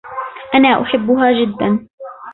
أنا أُحبها جداً.